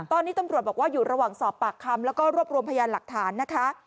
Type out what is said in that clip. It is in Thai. ตอนนี้ตำรวจบอกว่าอยู่ระหว่างสอบปากคำแล้วก็รวบรวมพยานหลักฐานนะคะ